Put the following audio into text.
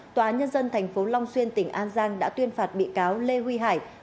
tòa nhân dân thành phố long xuyên tỉnh an giang đã tuyên phạt bị cáo lê huy hải